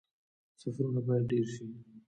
سفرونه باید ډیر شي